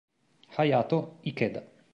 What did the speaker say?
Hayato Ikeda